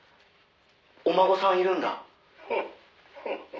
お孫さんいるんだ」